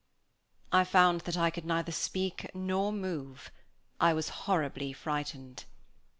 I found that I could neither speak nor move. I was horribly frightened.